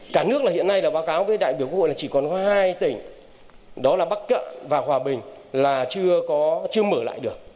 cả nước hiện nay báo cáo với đại biểu quốc hội là chỉ còn hai tỉnh đó là bắc cận và hòa bình là chưa mở lại được